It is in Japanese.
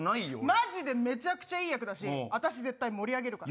マジでめちゃくちゃいい役だし私絶対盛り上げるから。